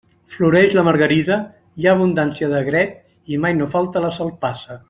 Floreix la margarida, hi ha abundància d'agret i mai no falta la salpassa.